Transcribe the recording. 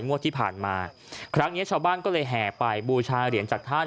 งวดที่ผ่านมาครั้งนี้ชาวบ้านก็เลยแห่ไปบูชาเหรียญจากท่าน